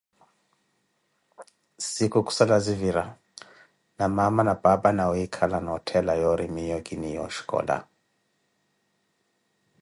Siikhu khusala zivira na maama na paapa nawiikhala nootthela yoori miiyo kiniyaka oxkola.